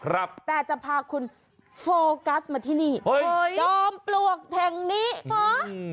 ครับแต่จะพาคุณโฟกัสมาที่นี่จอมปลวกแห่งนี้เหรออืม